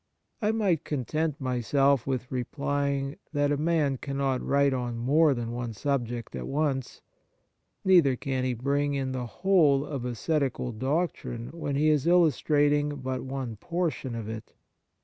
I might content myself with replying that a man cannot write on more than one subject at once, 94 Kindness neither can he bring in the whole of ascetical doctrine when he is illustrating but one portion of it.